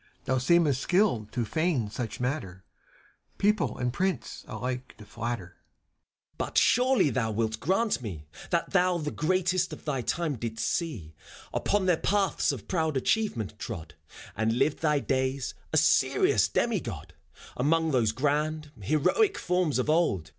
CHIRON. Thou seemest skilled to feign such matter — People and Prince alike to flatter. FAUST. But surely thou wilt grant to me That thou the greatest of thy time didst see. Upon their paths of proud achievement trod. And lived thy days, a serious demigod. Among .those grand, heroic forms of old.